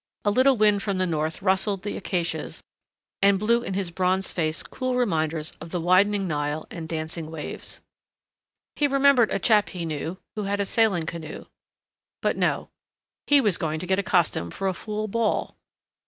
A little wind from the north rustled the acacias and blew in his bronzed face cool reminders of the widening Nile and dancing waves. He remembered a chap he knew, who had a sailing canoe but no, he was going to get a costume for a fool ball!